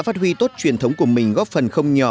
phát huy tốt truyền thống của mình góp phần không nhỏ